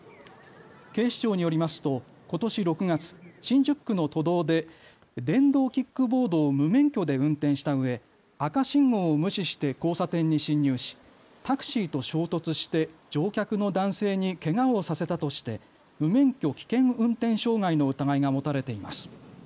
警視庁によりますと、ことし６月、新宿区の都道で電動キックボードを無免許で運転したうえ赤信号を無視して交差点に進入しタクシーと衝突して乗客の男性にけがをさせたとして無免許危険運転傷害の疑いが持たれています。